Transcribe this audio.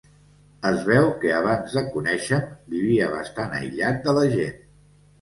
Es veu que abans de coneixe'm vivia bastant aïllat de la gent.